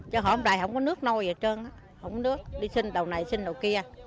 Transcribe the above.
chứ hôm nay không có nước nôi gì hết trơn không có nước đi sinh đầu này sinh đầu kia